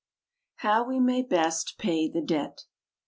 HOW WE MAY BEST PAY THE DEBT.